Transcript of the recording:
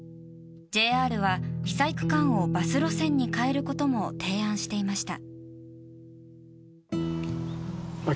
ＪＲは被災区間をバス路線に替えることも提案していました。